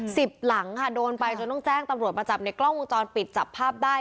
สิบหลังค่ะโดนไปจนต้องแจ้งตำรวจมาจับในกล้องวงจรปิดจับภาพได้